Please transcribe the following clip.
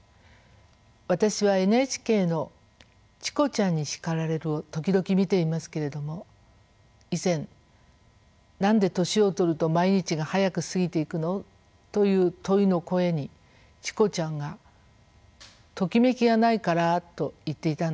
私はＮＨＫの「チコちゃんに叱られる！」を時々見ていますけれども以前「何で年を取ると毎日が早く過ぎていくの？」という問いの声にチコちゃんが「ときめきがないから」と言っていたんですね。